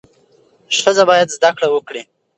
ښځه باید زده کړه وکړي.